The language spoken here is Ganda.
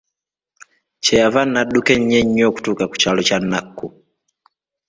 Kye yava nno adduka nnyo nnyo okutuuka ku kyalo kya Nakku.